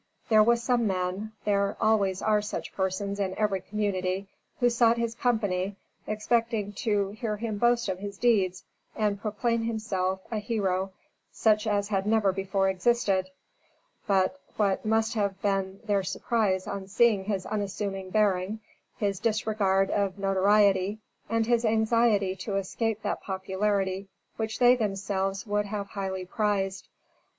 There were some men (there always are such persons in every community) who sought his company expecting to hear him boast of his deeds and proclaim himself a hero such as had never before existed; but, what must have been their surprise on seeing his unassuming bearing, his disregard of notoriety, and his anxiety to escape that popularity which they themselves would have highly prized.